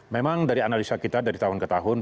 memang dari analisa kita dari tahun ke tahun